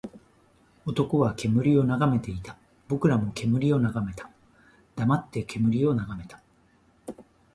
男は煙を眺めていた。僕らも煙を眺めた。黙って煙を眺めた。